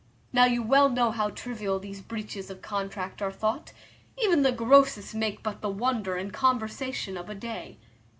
Now you well know how trivial these breaches of contract are thought; even the grossest make but the wonder and conversation of a day.